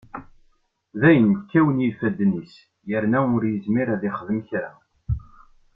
Dayen kkawen yifadden-is yerna ur yezmir ad yexdem kra.